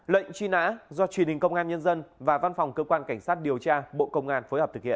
lệnh truy nã do truyền hình công an nhân dân và văn phòng cơ quan cảnh sát điều tra bộ công an phối hợp thực hiện